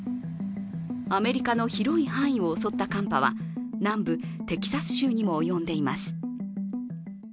アメリカの広い範囲を襲った寒波は南部テキサス州にも及んでいます。